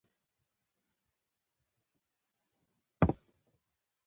چې په دې اړه د حكومت جدي پاملرنې ته اړتيا ده.